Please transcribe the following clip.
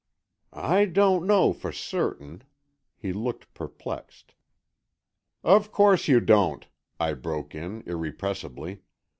"I don't know for certain——" He looked perplexed. "Of course you don't," I broke in, irrepressibly.